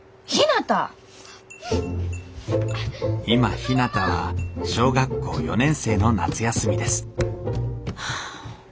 今ひなたは小学校４年生の夏休みですはあ